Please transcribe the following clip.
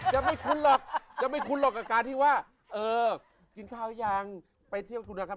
จะไม่คุ้นหรอกจะไม่คุ้นหรอกกับการที่ว่าเออกินข้าวยังไปเที่ยวคุณนะครับ